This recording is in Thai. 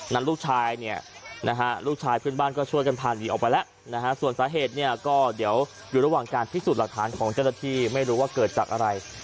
นั้นลูกชายพื้นบ้านก็ช่วยกันพาดีออกไปแล้วส่วนสาเหตุก็เดี๋ยวอยู่ระหว่างการพิสูจน์หลักฐานของเจ้าหน้าที่ไม่รู้ว่าเกิดจากอะไร